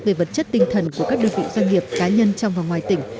về vật chất tinh thần của các đơn vị doanh nghiệp cá nhân trong và ngoài tỉnh